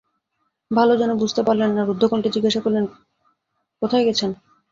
ভালো যেন বুঝতে পারলেন না, রুদ্ধকণ্ঠে জিজ্ঞাসা করলেন, কোথায় গেছেন।